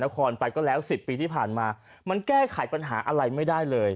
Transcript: ไปก็แล้ว๑๐ปีที่ผ่านมามันแก้ไขปัญหาอะไรไม่ได้เลย